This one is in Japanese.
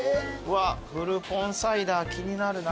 フルポンサイダー気になるな。